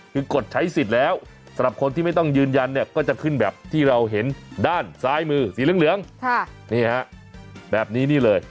คือกดใช้สิทธิ์แล้วสำหรับคนที่ไม่ต้องยืนยันเนี่ยก็จะขึ้นแบบที่เราเห็นด้านซ้ายมือสีเหลืองนี่ฮะแบบนี้นี่เลย